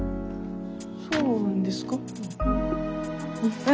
そうなんですか？